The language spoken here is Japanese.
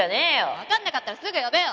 わかんなかったらすぐ呼べよ！